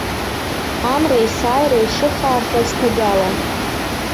Амра есааира ишыхаахаз ҭагалан.